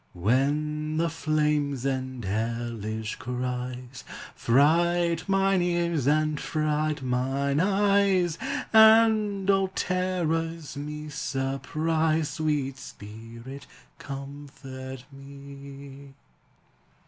When the dames and hellish cries Fright mine ears, and fright mine eyes, And all terrors me surprise, Sweet Spirit, comfort me!